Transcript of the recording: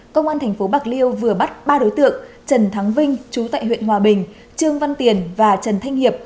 công an tp bạc liêu vừa bắt ba đối tượng trần thắng vinh chú tại huyện hòa bình trương văn tiền và trần thanh hiệp